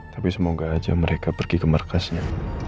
tapi semoga aja mereka pergi ke markasnya